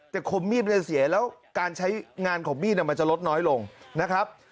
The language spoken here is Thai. แต่คมมีดมันจะเสียแล้วการใช้งานของมีดมันจะลดน้อยลงนะครับ